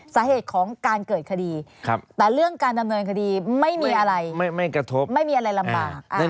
สาเหตุของการเกิดคดีแต่เรื่องการดำเนินคดีไม่มีอะไรไม่กระทบไม่มีอะไรลำบาก